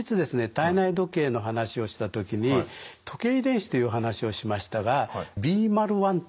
体内時計の話をした時に時計遺伝子という話をしましたがビーマル１というのがあるんですね。